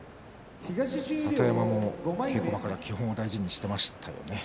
里山も稽古場から基本を大事にしていましたよね。